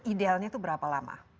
idealnya itu berapa lama